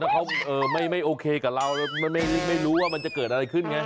เขาไม่โอเคกับเรามันไม่รู้ว่ามันจะเกิดอะไรขึ้นไง